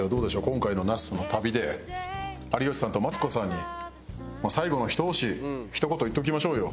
今回の那須の旅で有吉さんとマツコさんに最後のひと押しひと言言っておきましょうよ。